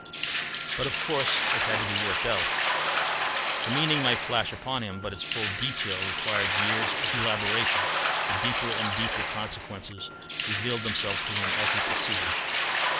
But of course it had to be worked out. The meaning might flash upon him, but its full detail required years of elaboration; and deeper and deeper consequences revealed themselves to him as he proceeded.